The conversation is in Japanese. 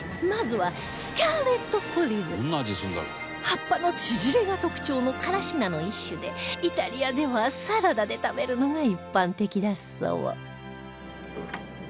葉っぱの縮れが特徴のからし菜の一種でイタリアではサラダで食べるのが一般的だそう